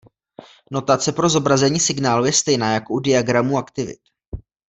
Notace pro zobrazení signálu je stejná jako u diagramů aktivit.